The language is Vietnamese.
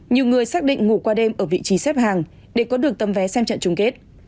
nhiều người xác định ngủ qua đêm ở vị trí xếp hàng để có được tấm vé xem trận chung kết